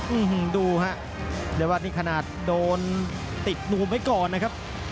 อื้อหึดูค่ะในวงประตูนี้คนน่ะโดนติดหนุ่มไว้ก่อนนะครับ